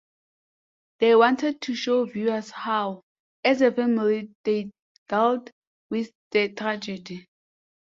They wanted to show viewers how, as a family, they dealt with the tragedy.